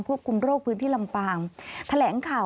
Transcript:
พูดว่าโอ้โหใช้คำนี้เลยแทบจะร้องไห้